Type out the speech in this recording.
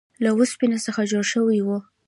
له اوسپنې څخه جوړ شوی و.